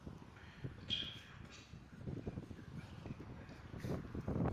Po třech letech v Bostonu byl vyměněn do Tampa Bay Lightning.